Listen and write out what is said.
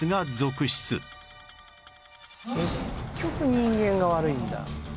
結局人間が悪いんだ。